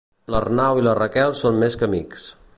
L'Arnau i la Raquel són més que amics.